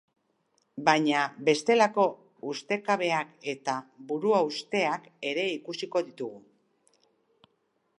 Baina bestelako ustekabeak eta buruhausteak ere ikusiko ditugu.